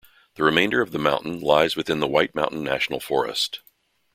The remainder of the mountain lies within the White Mountain National Forest.